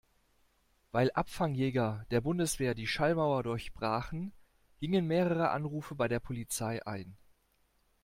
Weil Abfangjäger der Bundeswehr die Schallmauer durchbrachen, gingen mehrere Anrufe bei der Polizei ein.